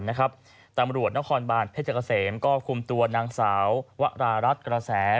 จำรวจณคบรเทจ้ากระเสมก็คลุมตัวนางสาววะรารัฐกระแซม